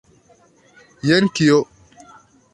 Jen kio!